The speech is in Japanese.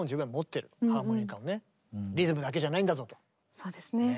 そうですね。